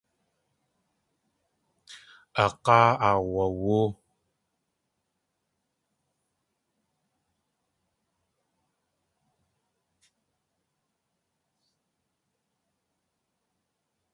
Aag̲áa aawawóo.